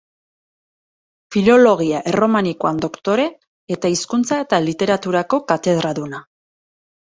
Filologia erromanikoan doktore eta hizkuntza eta literaturako katedraduna.